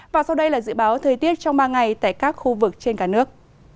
và sau đây là dự báo thời tiết trong ba ngày tại các khu vực trên cả nước